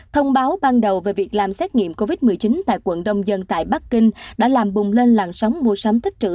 thông báo ban đầu về việc làm xét nghiệm covid một mươi chín tại quận đông dân tại bắc kinh đã làm bùng lên làn sóng mua sắm tích trữ